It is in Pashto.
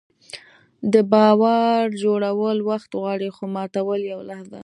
د باور جوړول وخت غواړي، خو ماتول یوه لحظه.